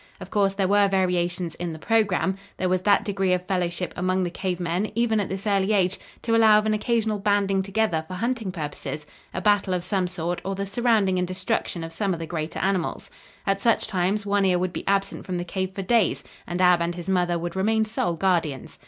Of course there were variations in the program. There was that degree of fellowship among the cave men, even at this early age, to allow of an occasional banding together for hunting purposes, a battle of some sort or the surrounding and destruction of some of the greater animals. At such times One Ear would be absent from the cave for days and Ab and his mother would remain sole guardians.